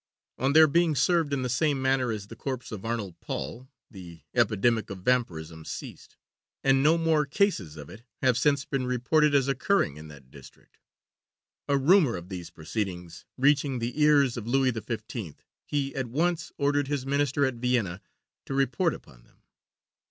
On their being served in the same manner as the corpse of Arnold Paul the epidemic of vampirism ceased, and no more cases of it have since been reported as occurring in that district. A rumour of these proceedings reaching the ears of Louis XV, he at once ordered his Minister at Vienna to report upon them.